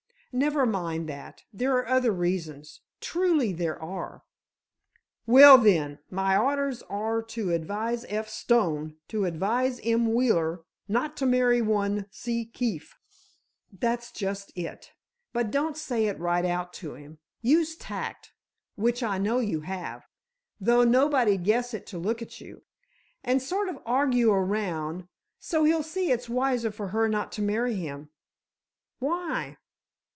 "Never mind that. There are other reasons—truly there are." "Well, then, my orders are to advise F. Stone to advise M. Wheeler not to wed one C. Keefe." "That's just it. But don't say it right out to him. Use tact, which I know you have—though nobody'd guess it to look at you—and sort of argue around, so he'll see it's wiser for her not to marry him——" "Why?"